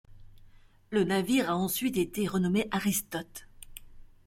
Le navire a ensuite été renommé Aristote.